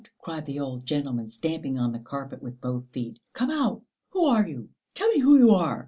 cried the old gentleman, stamping on the carpet with both feet; "come out. Who are you? Tell me who you are!